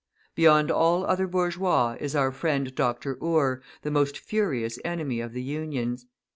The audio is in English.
Beyond all other bourgeois is our friend Dr. Ure, the most furious enemy of the Unions.